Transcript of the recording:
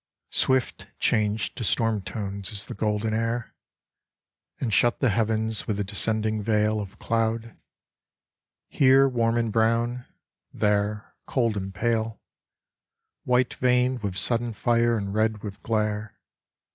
Swift changed to storm tones is the golden air, And shut the heavens with the descending veil Of cloud, here warm and brown, there cold and pale, White veined with sudden fire and red with glare.